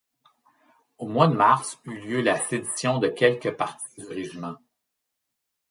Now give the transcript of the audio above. Au mois de mars eut lieu la sédition de quelques parties du régiment.